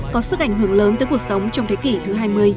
có sức ảnh hưởng lớn tới cuộc sống trong thế kỷ thứ hai mươi